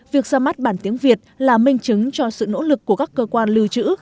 việc ra mắt bản tiếng việt là minh chứng cho sự nỗ lực của các cơ quan lưu trữ